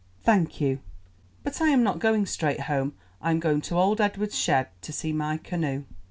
"Thank you, but I am not going straight home; I am going to old Edward's shed to see my canoe."